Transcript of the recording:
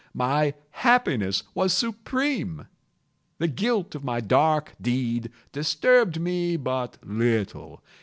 My happiness was supreme! The guilt of my dark deed disturbed me but little.